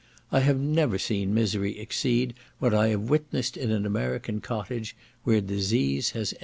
I have never seen misery exceed what I have witnessed in an American cottage where disease has entered.